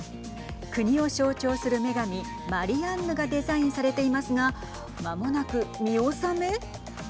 国を象徴する女神マリアンヌがデザインされていますがまもなく見納め。